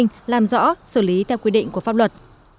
các bác minh làm rõ xử lý theo quy định của pháp luật